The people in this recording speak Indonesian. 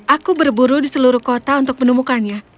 aku berburu di seluruh kota untuk menemukannya